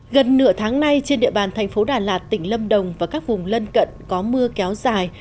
gần nửa tháng nay trên địa bàn thành phố đà lạt tỉnh lâm đồng và các vùng lân cận có mưa kéo dài